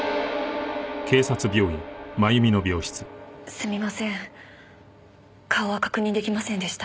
すみません顔は確認出来ませんでした。